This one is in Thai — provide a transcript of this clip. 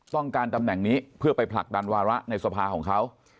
ตำแหน่งนี้เพื่อไปผลักดันวาระในสภาของเขา